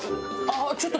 あっ！